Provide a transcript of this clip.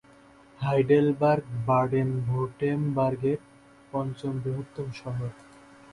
Heidelberg বাডেন-ভুর্টেমবার্গের পঞ্চম বৃহত্তম শহর।